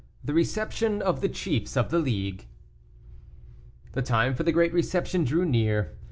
THE RECEPTION OF THE CHIEFS OF THE LEAGUE. The time for the great reception drew near.